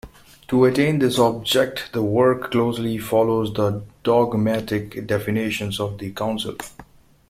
To attain this object the work closely follows the dogmatic definitions of the Council.